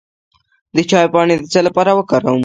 د چای پاڼې د څه لپاره وکاروم؟